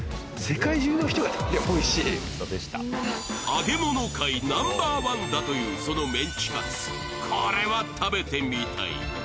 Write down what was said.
揚げ物界Ｎｏ．１だというそのメンチカツこれは食べてみたい！